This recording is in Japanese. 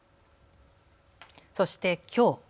そして、きょう。